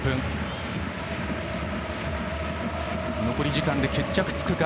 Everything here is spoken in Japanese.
残り時間で決着つくか。